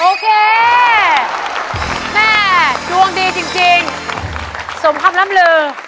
โอเคแม่ดวงดีจริงสมคำล่ำลือ